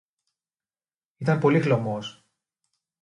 Ήταν πολύ χλωμός